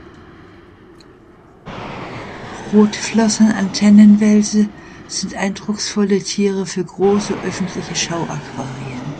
Rotflossen-Antennenwelse sind eindrucksvolle Tiere für große öffentliche Schauaquarien.